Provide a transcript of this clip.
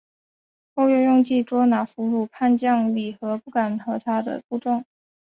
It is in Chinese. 后又用计捉拿俘虏了叛将札合敢不和他的部众。